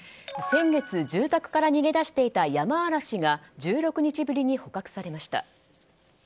先月住宅から逃げ出していたヤマアラシが１６日にぶりに捕獲されました。